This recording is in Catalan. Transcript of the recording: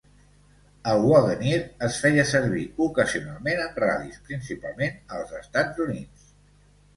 El Wagoneer es feia servir ocasionalment en ral·lis, principalment als Estats Units.